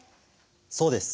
そうです。